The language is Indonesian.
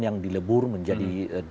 yang dilebur menjadi dua